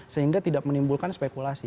sehingga tidak menimbulkan spekulasi